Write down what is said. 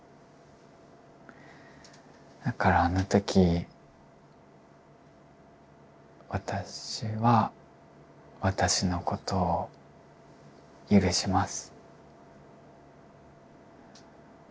だからあの時「私は私のことを許します」。